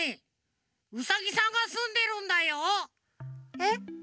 えっ？